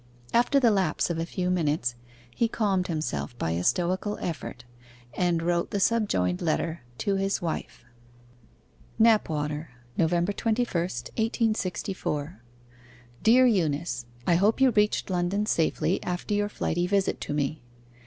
After the lapse of a few minutes he calmed himself by a stoical effort, and wrote the subjoined letter to his wife: 'KNAPWATER, November 21, 1864. 'DEAR EUNICE, I hope you reached London safely after your flighty visit to me.